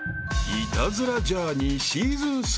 ［『イタズラ×ジャーニー』シーズン３］